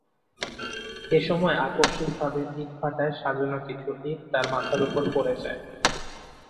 এ সময় আকস্মিকভাবে ইটভাটায় সাজানো কিছু ইট তাঁর মাথার ওপর পড়ে যায়।